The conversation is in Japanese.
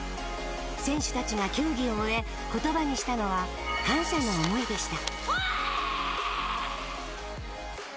選手たちが競技を終え言葉にしたのは感謝の思いでした。